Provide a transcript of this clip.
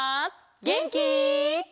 げんき？